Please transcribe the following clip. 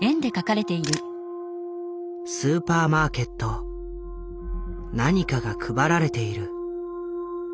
スーパーマーケット何かが配られている。